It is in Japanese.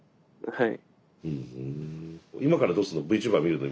はい。